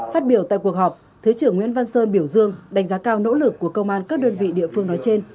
phát biểu tại cuộc họp thứ trưởng nguyễn văn sơn biểu dương đánh giá cao nỗ lực của công an các đơn vị địa phương nói trên